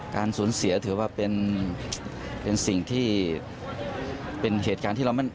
การสูญเสียถือว่าเป็นสิ่งที่เป็นเหตุการณ์ที่เราไม่